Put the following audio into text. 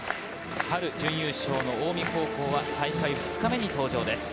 春準優勝の近江高校は大会２日目に登場です。